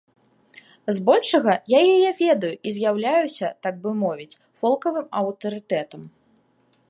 З большага я яе ведаю і з'яўляюся, так бы мовіць, фолкавым аўтарытэтам.